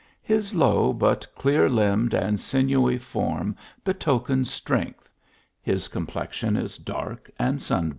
His low but clear limbed and sinewy form betokens strength ; his complexion is dark and sun 1.